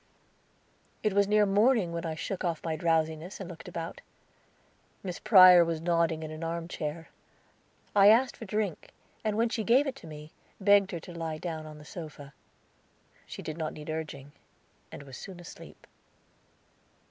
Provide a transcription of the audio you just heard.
It was near morning when I shook off my drowsiness and looked about; Miss Prior was nodding in an arm chair. I asked for drink, and when she gave it to me, begged her to lie down on the sofa; she did not need urging, and was soon asleep.